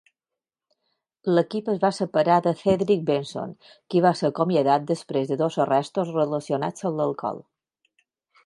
L'equip es va separar de Cedric Benson, qui va ser acomiadat després de dos arrestos relacionats amb l'alcohol.